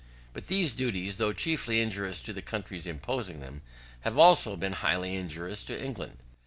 But these duties, though chiefly injurious to the countries imposing them, have also been highly injurious to England.